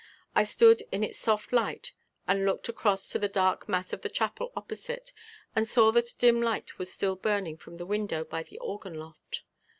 I stood in its soft light and looked across to the dark mass of the chapel opposite and saw that a dim light was still burning from the window by the organ loft.